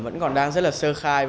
vẫn còn đang rất là sơ khai